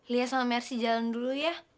liya sama mercy jalan dulu ya